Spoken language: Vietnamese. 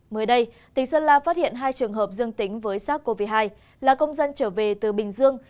mới đây tỉnh sơn la phát hiện hai trường hợp dương tính với sars cov hai là công dân trở về từ bình dương